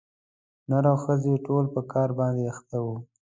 نر او ښځي ټول په کار باندي اخته وه